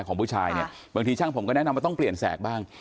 ของผู้ชายเนี่ยบางทีช่างผมก็แนะนำว่าต้องเปลี่ยนแสกบ้าง